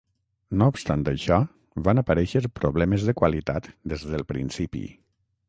No obstant això, van aparèixer problemes de qualitat des del principi.